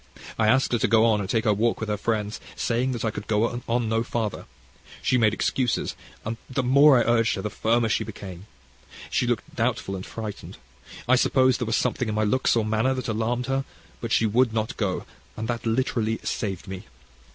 I asked her to go on and walk with her friends, saying that I could go no further. She made excuses, and the more I urged her the firmer she became. She looked doubtful and frightened. I suppose there was something in my looks or manner that alarmed her; but she would not go, and that literally saved me.